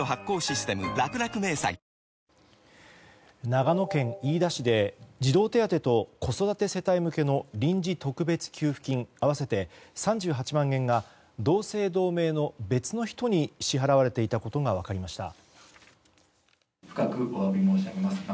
長野県飯田市で児童手当と子育て世帯向けの臨時特別給付金合わせて３８万円が同姓同名の別の人に支払われていたことが分かりました。